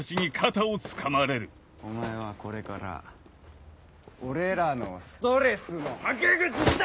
お前はこれから俺らのストレスのはけ口だ！